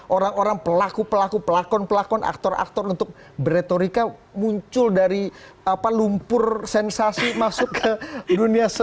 orang orang pelaku pelaku pelakon pelakon aktor aktor untuk beretorika muncul dari lumpur sensasi masuk ke dunia